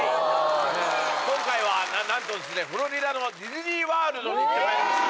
今回はなんとですねフロリダのディズニー・ワールドに行ってまいりました。